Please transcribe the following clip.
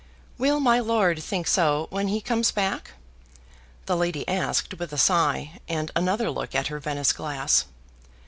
"Will my lord think so when he comes back?" the lady asked with a sigh, and another look at her Venice glass.